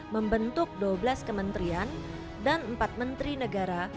membentuk dua belas kementerian dan empat menteri negara